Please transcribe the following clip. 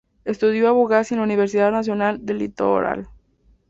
Estudió abogacía en la Universidad Nacional del Litoral.